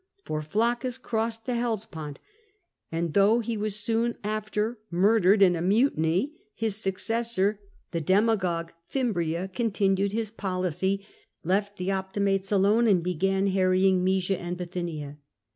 For Fiaccus crossed the Hellespont, and though he was soon after murdered in a mutiny, his successor, the demagogue Fimbria, continued his policy, 134 SULLA left the Optimates alone, and began harrying Mysia and Bithynia.